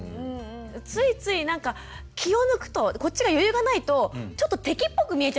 ついついなんか気を抜くとこっちが余裕がないとちょっと敵っぽく見えちゃうんですよ